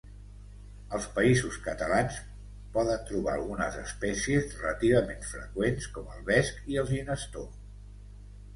Als Països Catalans poden trobar algunes espècies relativament freqüents com el vesc i el ginestó.